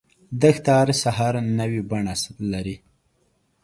دښته هر سحر نوی بڼه لري.